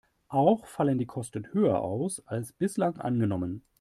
Auch fallen die Kosten höher aus, als bislang angenommen.